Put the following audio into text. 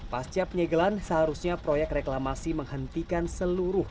pasca penyegelan seharusnya proyek reklamasi menghentikan seluruh